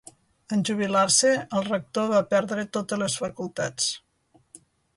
En jubilar-se, el rector va perdre totes les facultats.